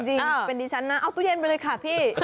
จริงเป็นดิฉันนะเอาตู้เย็นไปเลยค่ะพี่